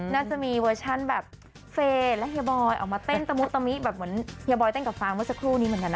น่าจะมีเวอร์ชั่นแบบเฟย์และเฮียบอยออกมาเต้นตะมุตะมิแบบเหมือนเฮียบอยเต้นกับฟางเมื่อสักครู่นี้เหมือนกันนะ